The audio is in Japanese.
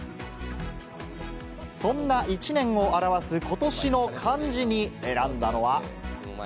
そんな１年を表す今年の漢字に選んだのは。